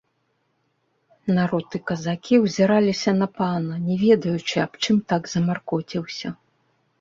Народ і казакі ўзіраліся на пана, не ведаючы, аб чым так замаркоціўся.